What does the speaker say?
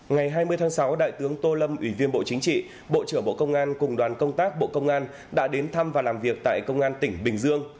ngày hai mươi tháng sáu đại tướng tô lâm ủy viên bộ chính trị bộ trưởng bộ công an cùng đoàn công tác bộ công an đã đến thăm và làm việc tại công an tỉnh bình dương